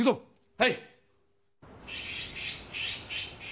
はい！